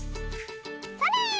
それ！